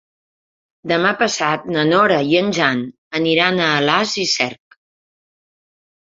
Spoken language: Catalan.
Demà passat na Nora i en Jan aniran a Alàs i Cerc.